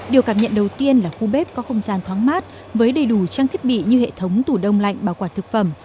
điều cảm nhận đầu tiên là khu bếp có không gian thoáng mát với đầy đủ trang thiết bị như hệ thống tủ đông lạnh bảo quản thực phẩm